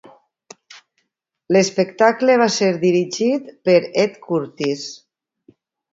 L'espectacle va ser dirigit per Ed Curtis.